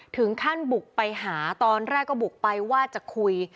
ถึงขั้นบุกไปหาตอนแรกก็บุกไปว่าจะคุย